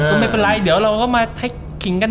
มันไม่ปัดละเดี๋ยวเรามาใครงกัน